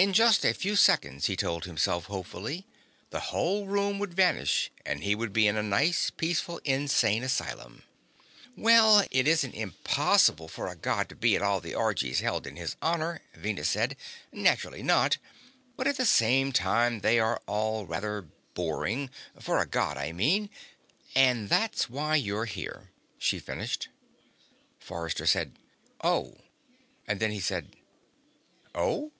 In just a few seconds, he told himself hopefully, the whole room would vanish and he would be in a nice, peaceful insane asylum. "Well, it isn't impossible for a God to be at all the orgies held in his honor," Venus said. "Naturally not. But, at the same time, they are all rather boring for a God, I mean. And that's why you're here," she finished. Forrester said: "Oh." And then he said: "Oh?"